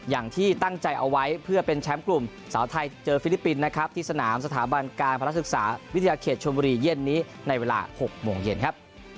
อย่างที่ตั้งใจเอาไว้เพื่อเป็นแชมป์กลุ่มสาวไทยเจอฟิลิปปินส์นะครับที่สนามสถาบันการพนักศึกษาวิทยาเขตชนบุรีเย็นนี้ในเวลา๖โมงเย็นครับ